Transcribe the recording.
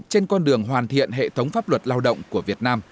trên con đường hoàn thiện hệ thống pháp luật lao động của việt nam